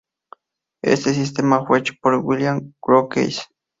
Este sistema fue hecho por William Crookes.